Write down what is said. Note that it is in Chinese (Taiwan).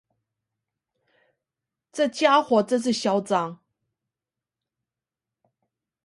這傢伙真是囂張